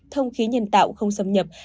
thông khí nhân tạo không xâm nhập